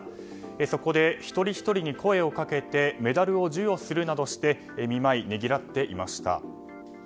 そこで一人ひとりに声をかけてメダルを授与するなどして見舞い、ねぎらっていました。